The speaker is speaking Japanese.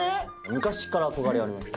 昔から憧れあります。